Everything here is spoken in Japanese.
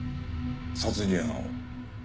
殺人犯を。